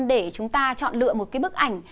để chúng ta chọn lựa một cái bức ảnh